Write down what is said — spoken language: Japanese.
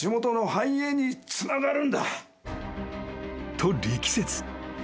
［と力説。